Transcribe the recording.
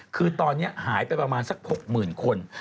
คือตอนนี้หายไปประมาณสัก๖๐๐๐คน